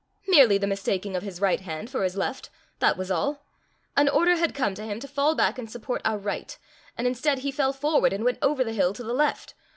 Merely the mistaking his right hand for his left&#8212that was all. An order had come to him to fall back and support our right; and instead, he fell forward and went over the hill to the left.